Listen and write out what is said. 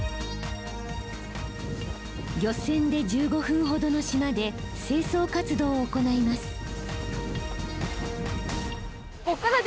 漁船で１５分ほどの島で清掃活動を行います。